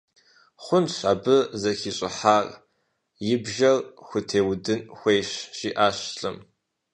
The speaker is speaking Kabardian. Хъунщ абы зэхищӀыхьар, и бжьэр хутеудын хуейщ, – жиӀащ лӏым.